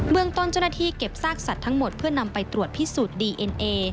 เมืองต้นเจ้าหน้าที่เก็บซากสัตว์ทั้งหมดเพื่อนำไปตรวจพิสูจน์ดีเอ็นเอ